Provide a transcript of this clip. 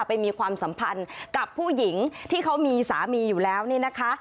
มีความสัมพันธ์กับผู้หญิงที่เขามีสามีอยู่แล้วนี่นะคะ